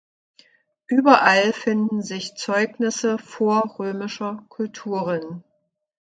Überall finden sich Zeugnisse vorrömischer Kulturen.